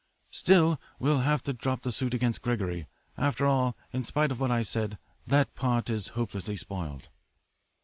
"'Still, we'll have to drop the suit against Gregory after all, in spite of what I said. That part is hopelessly spoiled.'